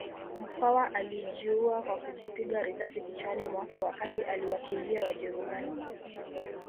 Mkwawa alijiua kwa kujipiga risasi kichwani mwake wakati akiwakimbia Wajerumani